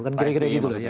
pak spi maksudnya